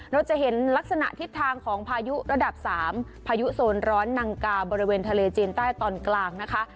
เราจะเห็นลักษณะทิศทางของพายุระดับ๓พายุโซนร้อนนังกาบริเวณทะเลจีนใต้ตอนกลางนะคะ